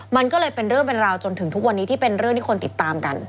มันก็เลยเป็นเรื่องเป็นราวจนถึงทุกวันนี้ที่เป็นเรื่องที่คนติดตามกัน